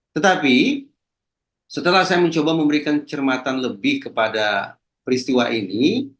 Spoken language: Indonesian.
tetapi setelah saya mencoba memberikan cermatan lebih kepada peristiwa ini